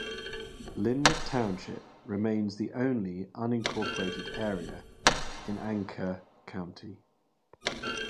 Linwood Township remains the only unincorporated area in Anoka County.